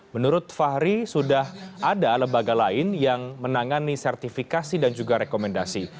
menurut fahri sudah ada lembaga lain yang menangani sertifikasi dan juga rekomendasi